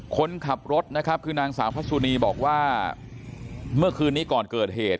คนขับรถนะครับคือนางสาวพระสุนีบอกว่าเมื่อคืนนี้ก่อนเกิดเหตุ